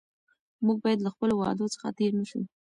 موږ باید له خپلو وعدو څخه تېر نه شو.